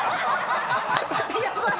やばい。